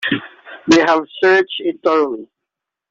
They have searched it thoroughly.